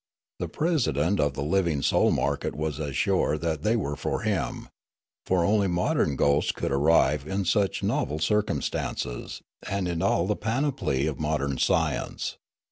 The president of the living soul market was as sure that they were for him ; for only modern ghosts could arrive in such novel circumstances, and in all the panoply of modern science.